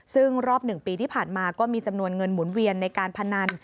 ซึ่งรอบ๑ปีที่ผ่านมาก็มีจำนวนเงินหมุนเวียนในการพนัน